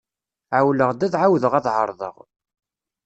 Ԑewwleɣ-d ad εawdeɣ ad εerḍeɣ.